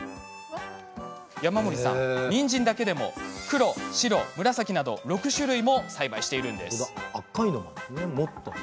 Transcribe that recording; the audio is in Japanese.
山森さん、にんじんだけでも黒や白、紫など６種類も栽培してるんです。